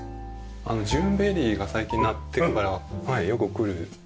ジューンベリーが最近なってるからよく来る。